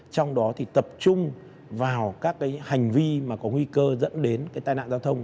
trong đó tập trung vào các hành vi có nguy cơ dẫn đến tai nạn giao thông